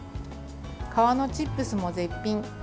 皮のチップスも絶品。